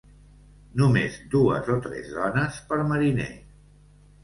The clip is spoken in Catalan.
Només dues o tres dones per mariner.